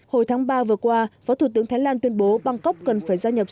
hồi tháng ba vừa qua phó thủ tướng thái lan tuyên bố bangkok cần phải gia nhập